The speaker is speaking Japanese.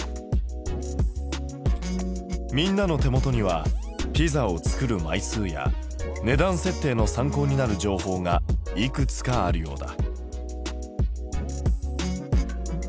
みんなの手元にはピザを作る枚数や値段設定の参考になる情報がいくつかあるようだ。